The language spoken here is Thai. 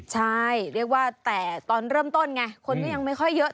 ใช่เรียกว่าแต่ตอนเริ่มต้นไงคนก็ยังไม่ค่อยเยอะ